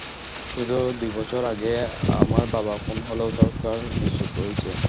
অথচ দুই বছর আগে আমার বাবা খুন হলেও সরকার নিশ্চুপ রয়েছে।